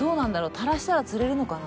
垂らしたら釣れるのかな。